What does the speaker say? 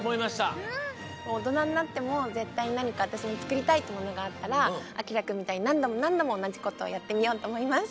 おとなになってもぜったいなにかわたしもつくりたいってものがあったらあきらくんみたいになんどもなんどもおなじことをやってみようとおもいます。